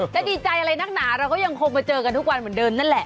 จะดีใจอะไรนักหนาเราก็ยังคงมาเจอกันทุกวันเหมือนเดิมนั่นแหละ